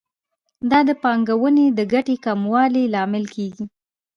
دا د پانګونې د ګټې د کموالي لامل کیږي.